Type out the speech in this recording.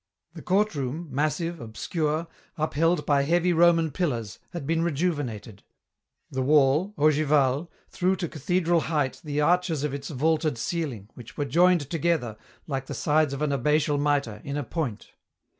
The courtroom, massive, obscure, upheld by heavy Roman pillars, had been rejuvenated. The wall, ogival, threw to cathedral height the arches of its vaulted ceiling, which were joined together, like the sides of an abbatial mitre, in a point.